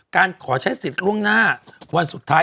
การขอใช้สิทธิ์ล่วงหน้าวันสุดท้าย